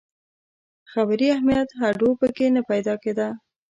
خبري اهمیت هډو په کې نه پیدا کېده.